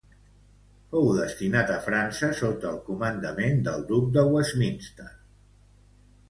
Fou destinat a França sota el comandament del Duc de Westminster.